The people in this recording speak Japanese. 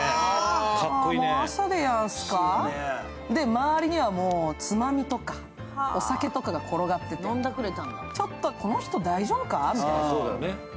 周りには、つまみとかお酒とかが転がってて、ちょっとこの人大丈夫か？みたいな。